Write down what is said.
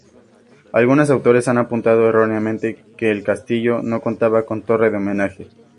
Algunos autores han apuntado erróneamente, que el castillo no contaba con torre del Homenaje.